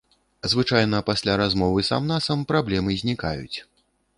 Звычайна пасля размовы сам-насам праблемы знікаюць.